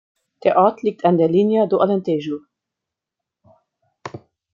Der Ort liegt an der Linha do Alentejo.